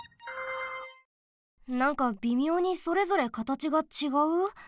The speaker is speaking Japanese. なんかびみょうにそれぞれかたちがちがう？